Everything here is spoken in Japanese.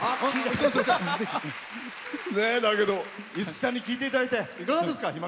だけど五木さんに聴いていただいていかがですか？